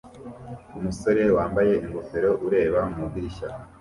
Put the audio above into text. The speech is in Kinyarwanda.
umusore wambaye ingofero ureba mu idirishya